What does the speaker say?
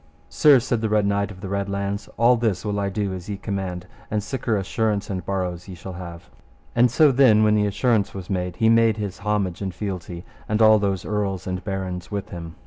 Sir, said the Red Knight of the Red Launds, all this will I do as ye command, and siker assurance and borrows ye shall have. And so then when the assurance was made, he made his homage and fealty, and all those earls and barons with him.